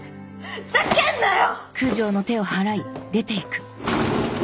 ふざけんなよ！